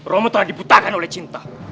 romo telah diputarkan oleh cinta